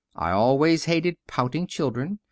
I always hated pouting children.